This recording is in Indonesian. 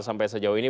sampai sejauh ini